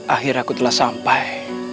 akhir aku telah sampai